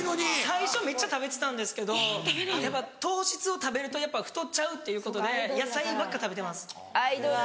最初めっちゃ食べてたんですけどやっぱ糖質を食べるとやっぱ太っちゃうっていうことで野菜ばっか食べてます。